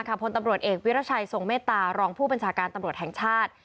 พลตำรวจเอกวิรัชัยทรงเมตตารองผู้บัญชาการตำรวจแห่งชาติ